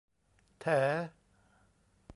แถ